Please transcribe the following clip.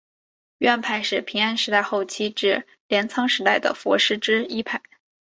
院派是平安时代后期至镰仓时代的佛师之一派。